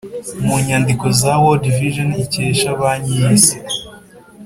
mu nyandiko za world vison ikesha banki y’ isi,